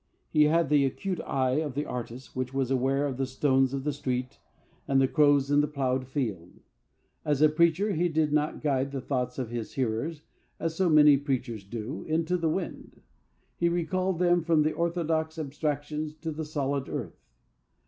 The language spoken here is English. He had the acute eye of the artist which was aware of the stones of the street and the crows in the ploughed field. As a preacher, he did not guide the thoughts of his hearers, as so many preachers do, into the wind. He recalled them from orthodox abstractions to the solid earth.